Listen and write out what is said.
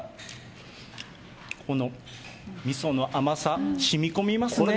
この、みその甘さ、しみこみますね。